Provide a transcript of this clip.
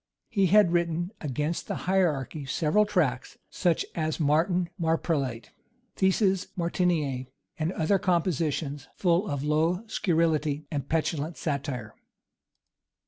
He had written against the hierarchy several tracts, such as Martin Marprelate, Theses Martinianæ, and other compositions, full of low scurrility and petulant satire.